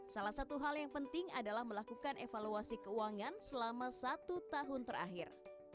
salah satu hal yang penting adalah melakukan evaluasi keuangan selama satu tahun terakhir